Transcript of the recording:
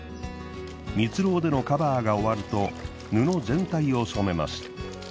ミツロウでのカバーが終わると布全体を染めます。